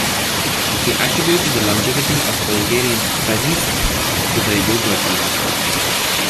He attributed the longevity of Bulgarian peasants to their yogurt consumption.